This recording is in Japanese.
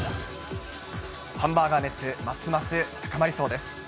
ハンバーガー熱、ますます高まりそうです。